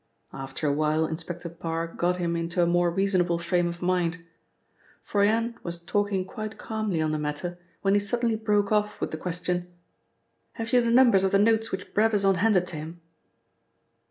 After a while Inspector Parr got him into a more reasonable frame of mind. Froyant was talking quite calmly on the matter, when he suddenly broke off with the question: "Have you the numbers of the notes which Brabazon handed to him?"